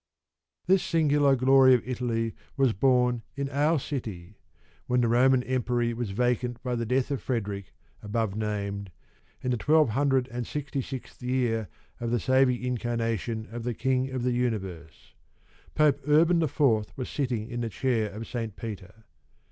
This singular glory of Italy was born in our city, when the Roman Empiry was vacant by the death of Frederick, above named, in the twelve hundred and sixty fifth year of the saving Incarnation of the King of the universe ; Pope Urban the fourth sitting in the chair of S. Peter.